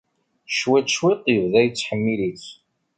Cwiṭ, cwiṭ, yebda yettḥemmil-itt.